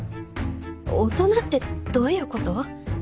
大人ってどういうこと？